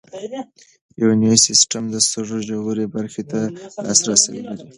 یوني سیسټم د سږو ژورې برخې ته لاسرسی لري.